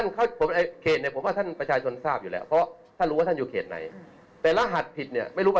ของรหัสผิดคือไม่รู้